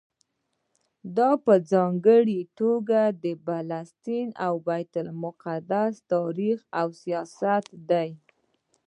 دا په ځانګړي توګه د فلسطین او بیت المقدس تاریخ او سیاست دی.